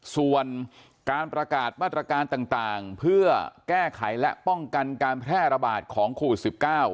ส่วนการประกาศมาตรการต่างเพื่อแก้ไขและป้องกันการแพร่ระบาดของโควิด๑๙